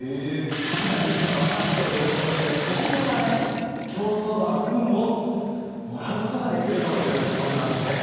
国内屈指の馬産地ということで牧場から競走馬のフンをもらうことができるということなんです。